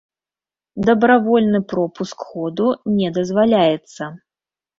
Дабравольны пропуск ходу не дазваляецца.